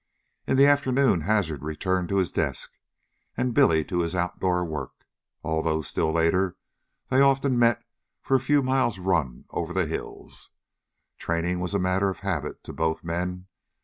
In the afternoon Hazard returned to his desk, and Billy to his outdoor work, although, still later, they often met for a few miles' run over the hills. Training was a matter of habit to both men.